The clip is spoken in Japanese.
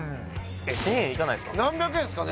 １０００円いかないっすか？